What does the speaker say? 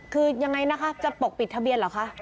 คือยังไงนะคะจะปกปิดทะเบียนเหรอคะ